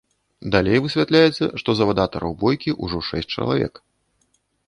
Далей высвятляецца, што завадатараў бойкі ўжо шэсць чалавек.